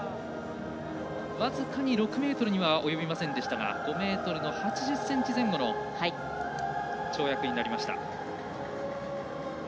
僅かに６ｍには及びませんでしたが５ｍの８０ｃｍ前後の跳躍になりました。